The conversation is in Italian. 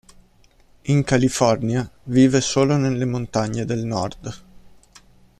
In California, vive solo nelle montagne del nord.